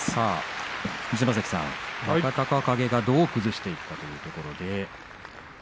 二所ノ関さん、若隆景がどう崩していくかというところで。